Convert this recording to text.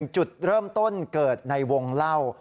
จุดเริ่มต้นเกิดในวงเล่า